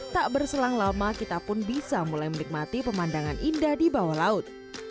tak berselang lama kita pun bisa mulai menikmati pemandangan indah di bawah laut